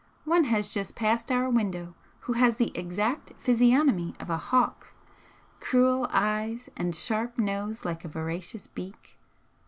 One has just passed our window who has the exact physiognomy of a hawk, cruel eyes and sharp nose like a voracious beak.